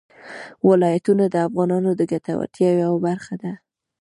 ولایتونه د افغانانو د ګټورتیا یوه برخه ده.